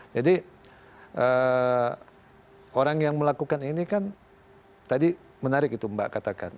jadi orang yang melakukan ini kan tadi menarik itu mbak katakan